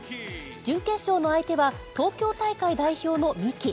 準決勝の相手は、東京大会代表の三木。